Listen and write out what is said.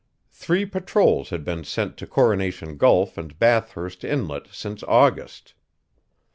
Three patrols had been sent to Coronation Gulf and Bathurst Inlet since August.